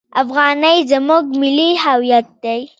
افغانۍ زموږ ملي هویت دی.